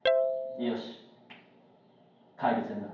よし解決編だ。